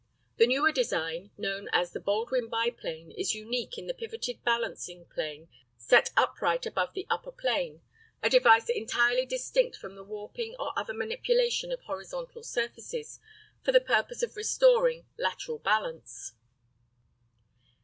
The newer design, known as the Baldwin biplane, is unique in the pivoted balancing plane set upright above the upper plane, a device entirely distinct from the warping or other manipulation of horizontal surfaces for the purpose of restoring lateral balance.